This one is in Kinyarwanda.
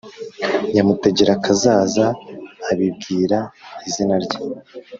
Nyamutegerakazaza abibwira izina rye